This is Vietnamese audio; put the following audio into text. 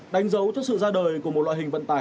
đánh dấu cho sự ra đời của một loại hình vận tải